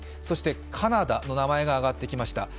そしてカナダの名前が挙がってきました。